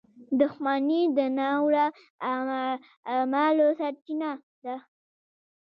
• دښمني د ناوړه اعمالو سرچینه ده.